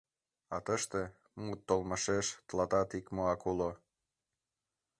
А тыште, мут толмашеш, тылатат икмоак уло.